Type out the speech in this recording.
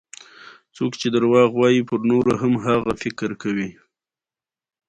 د پګمان مستې مشهورې دي؟